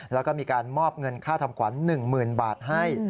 แล้วก็มีการมอบเงินค่าทำขวัญ๑๐๐๐บาทให้